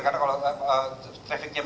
karena kalau trafficnya